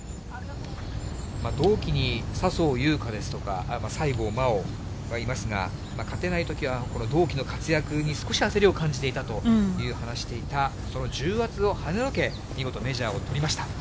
同期にさそうゆうかですとか、さいごうまおがいますが、勝てないときは、この同期の活躍に少し焦りを感じていたと話していた、その重圧をはねのけ、見事、メジャーを取りました。